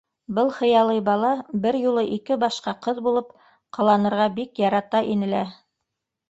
Был хыялый бала бер юлы ике башҡа ҡыҙ булып ҡыланырға бик ярата ине лә.